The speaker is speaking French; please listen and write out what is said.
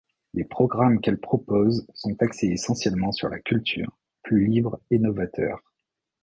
Les programmes qu'elle propose sont axés essentiellement sur la culture, plus libres et novateurs.